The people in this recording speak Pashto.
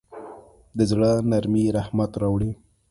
د زړه نرمي رحمت راوړي.